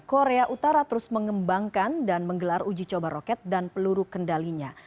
korea utara terus mengembangkan dan menggelar uji coba roket dan peluru kendalinya